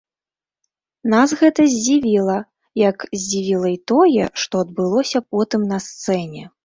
Нас гэта здзівіла, як здзівіла і тое, што адбылося потым на сцэне.